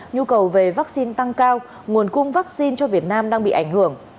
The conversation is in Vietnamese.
nhu cầu về vaccine tăng cao nguồn cung vaccine cho việt nam đang bị ảnh hưởng